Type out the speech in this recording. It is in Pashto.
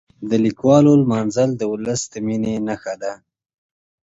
د لیکوالو لمانځل د ولس د مینې نښه ده.